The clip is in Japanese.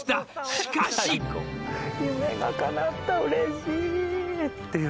しかし夢がかなった嬉しいっていう